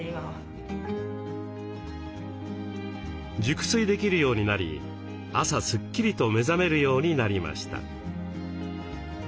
熟睡できるようになり朝すっきりと目覚めるようになりました。